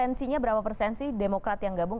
jadi potensinya berapa persen sih demokrat yang gabung